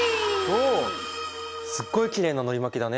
おすっごいきれいなのり巻きだね。